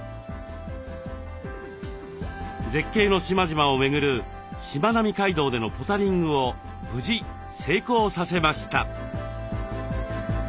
絶景の島々を巡るしまなみ海道でのポタリングを無事成功させました。